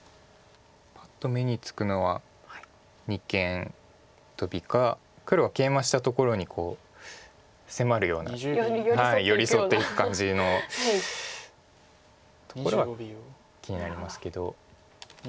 パッと目につくのは二間トビか黒がケイマしたところに迫るような寄り添っていく感じのところは気になりますけど。